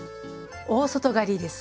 「大外刈」です。